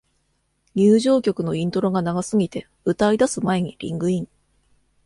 入場曲のイントロが長すぎて、歌い出す前にリングイン